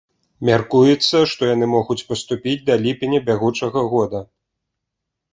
Мяркуецца, што яны могуць паступіць да ліпеня бягучага года.